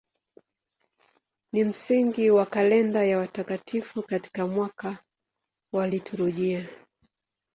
Ni msingi wa kalenda ya watakatifu katika mwaka wa liturujia.